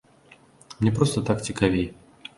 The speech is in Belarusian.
Мне проста так цікавей.